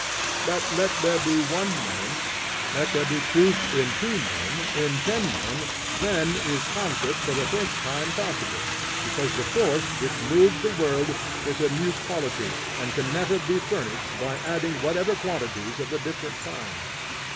But let there be one man, let there be truth in two men, in ten men, then is concert for the first time possible; because the force which moves the world is a new quality, and can never be furnished by adding whatever quantities of a different kind.